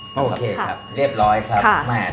โอเคครับเรียบร้อยครับ